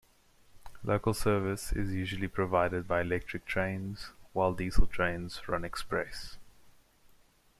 Local service is usually provided by electric trains, while diesel trains run express.